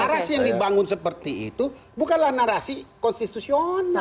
narasi yang dibangun seperti itu bukanlah narasi konstitusional